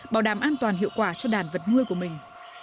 bảo đảm an toàn hiệu quả cho đàn vật nuôi của mình